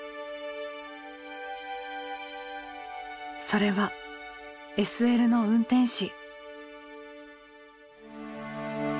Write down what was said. それはＳＬの運転士。